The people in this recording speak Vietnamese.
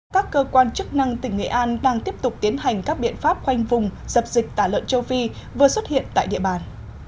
các cơ quan chức năng tỉnh nghệ an đang tiếp tục tiến hành các biện pháp khoanh vùng dập dịch tả lợn châu phi vừa xuất hiện tại địa bàn